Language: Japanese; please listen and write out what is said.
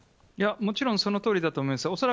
もちろんそのとおりだと思います。